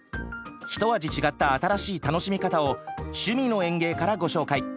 ひと味違った新しい楽しみ方を「趣味の園芸」からご紹介。